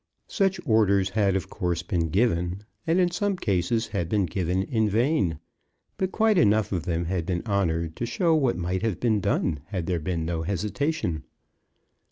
Such orders had of course been given, and in some cases had been given in vain; but quite enough of them had been honoured to show what might have been done, had there been no hesitation.